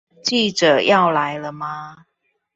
記者要來了嗎